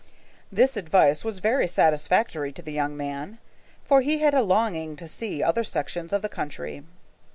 This advice was very satisfactory to the young man, for he had a longing to see other sections of the country.